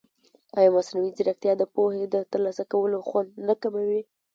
ایا مصنوعي ځیرکتیا د پوهې د ترلاسه کولو خوند نه کموي؟